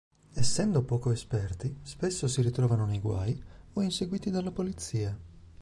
Essendo poco esperti, spesso si ritrovano nei guai o inseguiti dalla polizia.